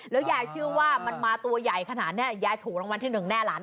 แล้วยายเชื่อว่ามันมาตัวใหญ่ขนาดนี้ยายถูกรางวัลที่หนึ่งแน่หลาน